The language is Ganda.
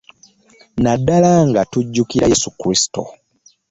Naddala nga tujjukira Yesu Kristo.